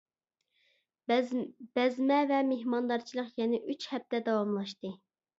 بەزمە ۋە مېھماندارچىلىق يەنە ئۈچ ھەپتە داۋاملاشتى.